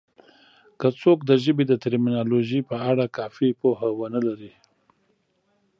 که څوک د ژبې د ټرمینالوژي په اړه کافي پوهه ونه لري